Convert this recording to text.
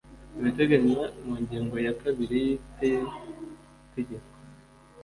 ibiteganywa mu ngingo ya kabili y iri tegeko